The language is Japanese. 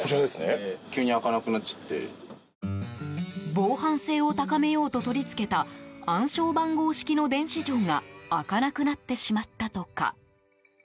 防犯性を高めようと取り付けた暗証番号式の電子錠が開かなくなってしまったとか。